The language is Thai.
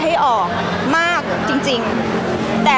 พี่ตอบได้แค่นี้จริงค่ะ